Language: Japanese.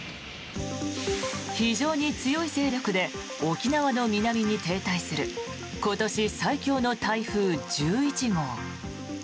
非常に強い勢力で沖縄の南に停滞する今年最強の台風１１号。